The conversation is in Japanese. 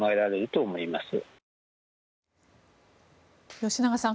吉永さん